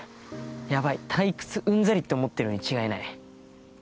ヤバい退屈うんざりって思ってるに違いない。